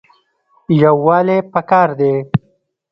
یووالی پکار دی